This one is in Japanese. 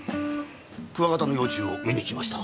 クワガタの幼虫を見にきました。